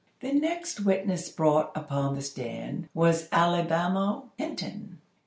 The next witness brought upon the stand was Alibamo Hinton.